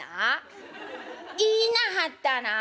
言いなはったな。